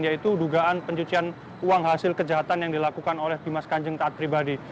yaitu dugaan pencucian uang hasil kejahatan yang dilakukan oleh dimas kanjeng taat pribadi